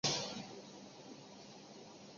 坦皮科受到气旋重创。